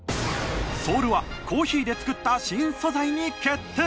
ソールはコーヒーで作った新素材に決定。